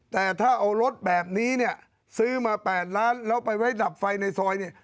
แต่ถ้าเอารถแบบนี้เนี่ยซื้อมา๘ล้านแล้วไปไว้ดับไฟในซอยเนี่ย